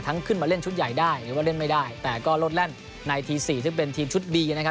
ขึ้นมาเล่นชุดใหญ่ได้หรือว่าเล่นไม่ได้แต่ก็ลดแล่นในทีสี่ซึ่งเป็นทีมชุดดีนะครับ